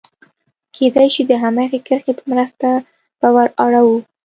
کېدای شي د هماغې کرښې په مرسته به ور اوړو.